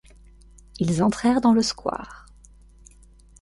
Ils entrèrent dans le square.